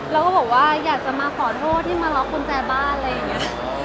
แล้วก็บอกว่าอยากจะมาขอโทษที่มาล็อกกุญแจบ้านอะไรอย่างนี้